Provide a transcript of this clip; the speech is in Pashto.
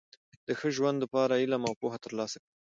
د ښه ژوند له پاره علم او پوهه ترلاسه کړئ!